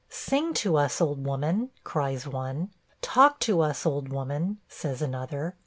'Sing to us, old woman,' cries one. 'Talk to us, old woman,' says another.